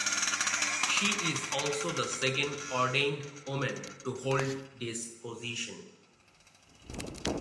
She is also the second ordained woman to hold this position.